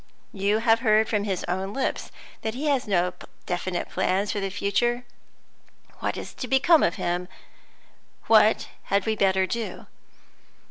You have heard from his own lips that he has no definite plans for the future. What is to become of him? What had we better do?"